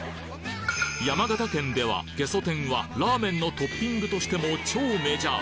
山形県ではゲソ天はラーメンのトッピングとしても超メジャー！